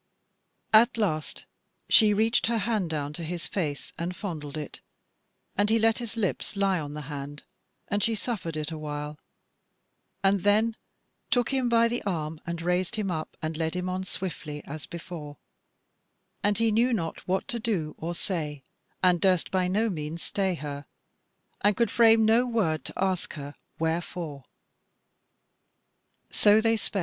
At last she reached her hand down to his face and fondled it, and he let his lips lie on the hand, and she suffered it a while, and then took him by the arm and raised him up and led him on swiftly as before; and he knew not what to do or say, and durst by no means stay her, and could frame no word to ask her wherefore.